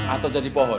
atau jadi pohon